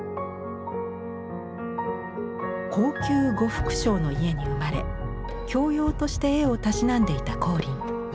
高級呉服商の家に生まれ教養として絵をたしなんでいた光琳。